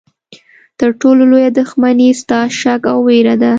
تر ټولو لویه دښمني ستا شک او ویره ده.